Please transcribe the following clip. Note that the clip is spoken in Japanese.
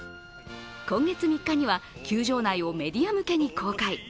今月３日には球場内をメディア向けに公開。